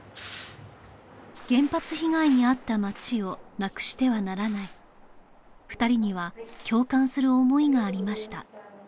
原発被害に遭った町をなくしてはならない２人には共感する思いがありました